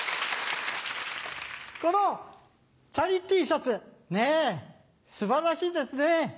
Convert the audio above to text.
このチャリＴシャツねぇ素晴らしいですね。